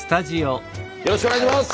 よろしくお願いします。